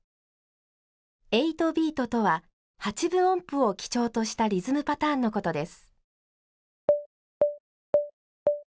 ８ビートとは８分音符を基調としたリズムパターンのことです。